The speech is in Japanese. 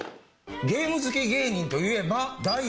ゲーム好き芸人といえば。